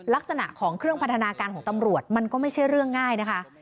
ลักษณะของเครื่องพันธนาการของตำรวจมันก็ไม่ใช่เรื่องง่ายนะคะ